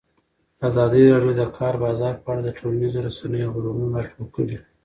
ازادي راډیو د د کار بازار په اړه د ټولنیزو رسنیو غبرګونونه راټول کړي.